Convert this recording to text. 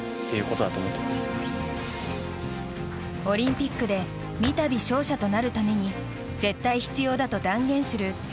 オリンピックで三度、勝者となるために絶対必要だと断言する